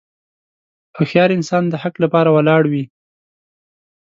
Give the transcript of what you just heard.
هوښیار انسان د حق لپاره ولاړ وي.